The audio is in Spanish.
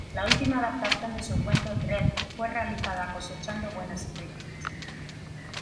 La última adaptación de su cuento "Dread" fue realizada, cosechando buenas críticas.